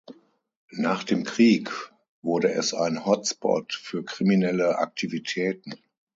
Nach dem Krieg wurde es ein Hotspot für kriminelle Aktivitäten.